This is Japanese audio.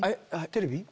テレビ？